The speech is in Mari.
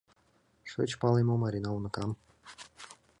— Шыч пале мо, Марина уныкам?